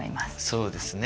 そうですね。